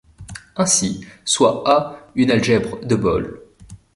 Ainsi, soit A une algèbre de Boole.